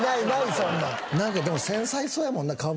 なんかでも繊細そうやもんな。